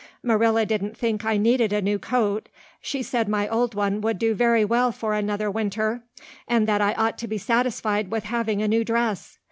Marilla didn't think I needed a new coat. She said my old one would do very well for another winter and that I ought to be satisfied with having a new dress.